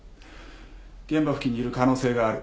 現場付近にいる可能性がある。